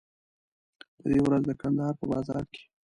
په دې ورځ د کندهار په بازار کې.